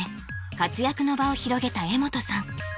活躍の場を広げた柄本さん